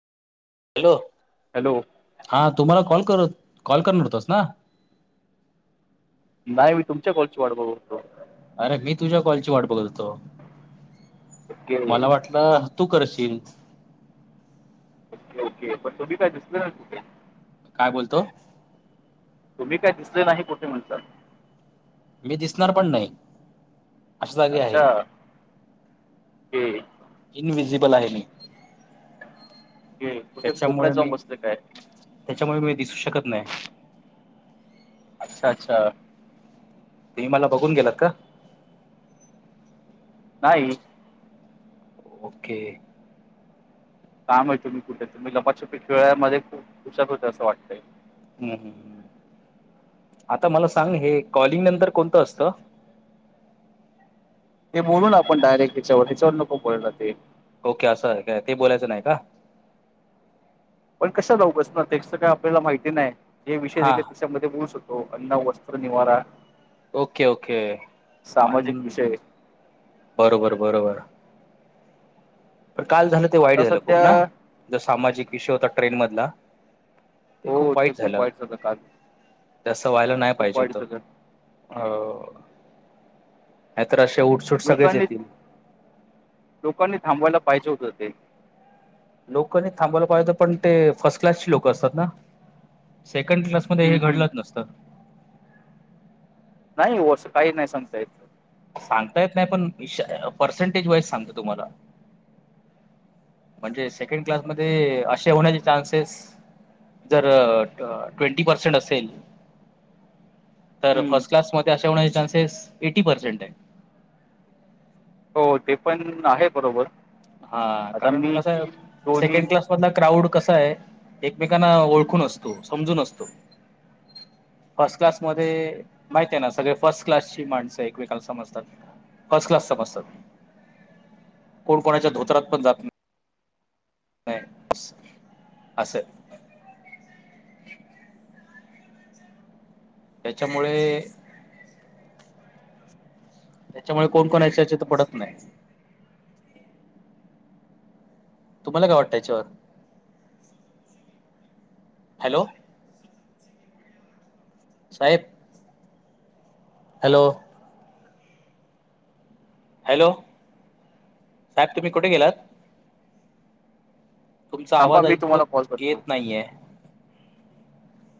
Hello hello. हा तुम्हाला call करत कॉल करणारतोस ना. नाही मी तुमच्या कळची वाढ बतो. अरे मी तुझ्या कॉलची वाट बघततो ओके मला वाट. तू करशील? ओके पण तो बी काय दुस काय बोलतो. तुम्ही काय दिसले नाही कुठे म्हणताल? मी दिसणार पण नाही. अशा जागी आहे अच्छा ह. इनवि्हजिबल आहे मी ओके कुठे त्याच्यामुळे कोपऱ्यात जाऊन मी बसले काय त्याच्यामुळे मी दिसू शकत नाही. अच्छा अच्छा. तेु मला बघून गेलात का? नाही. ओके. काम मा होतो मी कुठे तु मी ल मच्या पिठळ्यामध्ये खूप पुशक होते असं वाटतंय. हम् ह आता मला सांग हे कॉलिंग नंतर कोणतं असतं. ते बोलून आपण डायरेक्ट तिच्यावर त्याच्यावर नको बोला ते ओके असं आहे काय ते बोलायचं नाही का? पण कशा जाऊ बसणार त्यास काय आपल्याला माहिती नाही ज विषय हा दिले. स होतो अन्न वस्त्र निवारा ओके ओके आणि सामाजिक विषय बरोबर बरोबर. पण काल झालं ते वाईट आता झालं सध्या खूप ना ज सामाजिक विषय होता ट्रेन मधला ते खूप वाईट झालं तस व्हायला नाही खूप पाहिजे वाईट होत. झालं अ आ तर्रशे उठ. लोकांनी लोकांनी थांबवायला पाहिजे होत हो ते लोक नाही थांबावला पाहिज पण ते फर्स्ट क्लासची लोक असतात ना सेकंड क्लास मध्ये हं, हे हं. घडलंच नसतं. नाही हो असं काही नाही सांगता याचं. सांगता येत नाही पण पर्सेंटेज वाईज सांगत तुम्हाला? म्हणजे सेकंड क्लासमध्येध्ये असे होण्याचे चान्सेस जर ट्वेंटी पर्सेंट असेल. तर हं. फर्स्ट क्लासमध्येध्ये अशा होण्याचे चान्सेस एटी पर्सेंट आहे. हो ते पण आहे बरोबर. हा आता कारण मी कस ही दोन्ही सेकंड क्लास ध क्राउड कसा आहे एकमेकांना ओळखून असतो समजून असतो. फर्स्ट क्लास मध्ये माहित आहे ना सगळे फर्स्ट क्लासची माणसं एकमेकाला समजतात. फर्स्ट क्लास पासतात. कोण्या धोत्रात पणात असं. त्याच्यामुळे त्याच्यामुळे कोण कोण याच्याचे तर पडत नाही. तुम्हाला काय वाटतं याच्यावर हॅलो. साहेब. हॅलो. हॅलो साहेब तुम्ही कुठे गेलात? तुमचा थांबा आवाज मी ऐकू तुम्हाला कॉल करतो. येत नाहीये.